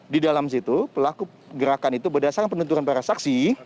di dalam situ pelaku gerakan itu berdasarkan penunturan para saksi